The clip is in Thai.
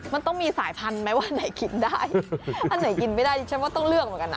มันต้องมีสายพันธุ์ไหมว่าอันไหนกินได้อันไหนกินไม่ได้ดิฉันก็ต้องเลือกเหมือนกันนะ